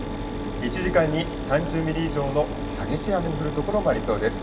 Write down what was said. １時間に３０ミリ以上の激しい雨の降る所もありそうです。